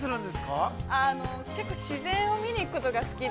◆結構自然を見に行くことが好きで。